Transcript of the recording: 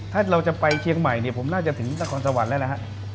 ถ้าเราจะไปเชียงใหม่เนี่ยผมน่าจะถึงนครสวรรค์แล้วนะฮะ